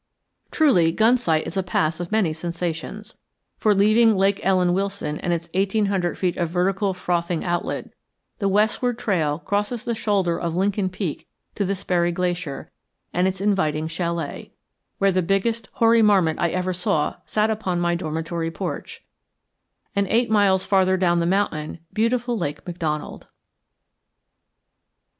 Truly, Gunsight is a pass of many sensations, for, leaving Lake Ellen Wilson and its eighteen hundred feet of vertical frothing outlet, the westward trail crosses the shoulder of Lincoln Peak to the Sperry Glacier and its inviting chalet (where the biggest hoary marmot I ever saw sat upon my dormitory porch), and, eight miles farther down the mountain, beautiful Lake McDonald.